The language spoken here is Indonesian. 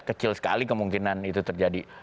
kecil sekali kemungkinan itu terjadi